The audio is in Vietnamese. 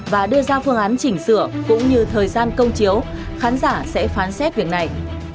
và đưa ra phương án chỉnh sửa cũng như thời gian công chiếu khán giả sẽ phán xét việc này